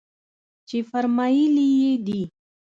چې فرمايلي يې دي.